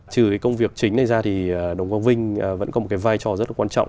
trừ cái công việc chính này ra thì đồng quang vinh vẫn có một cái vai trò rất là quan trọng